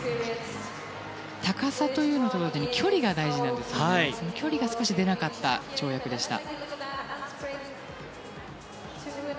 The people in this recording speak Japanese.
高さと同時に距離が大事なんですがその距離が少し出なかった跳躍でした。